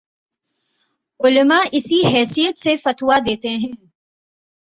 علما اسی حیثیت سے فتویٰ دیتے ہیں